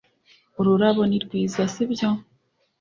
Ururabo ni rwiza sibyo